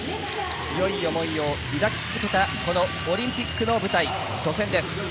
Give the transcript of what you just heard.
強い思いを抱き続けたこのオリンピックの舞台初戦です。